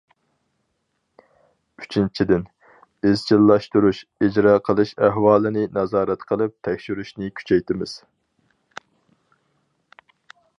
ئۈچىنچىدىن، ئىزچىللاشتۇرۇش، ئىجرا قىلىش ئەھۋالىنى نازارەت قىلىپ تەكشۈرۈشنى كۈچەيتىمىز.